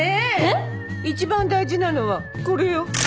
一番大事なのはこれよ。